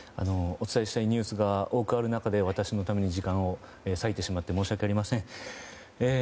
お伝えしたいニュースが多くある中で私のために時間を割いて申し訳ありません。